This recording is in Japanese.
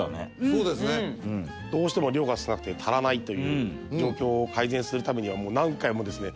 そうですねどうしても量が少なくて足らないという状況を改善するためにはもう何回もですね